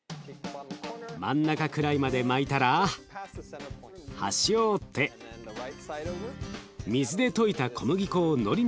真ん中くらいまで巻いたら端を折って水で溶いた小麦粉をのりにして最後まで巻きます。